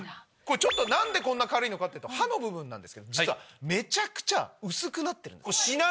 これちょっと何でこんな軽いのかっていうと刃の部分なんですけど実はめちゃくちゃ薄くなってるんです。